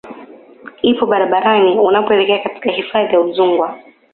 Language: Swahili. ipo barabarani unapoelekea katika hifadhi ya Udzungwa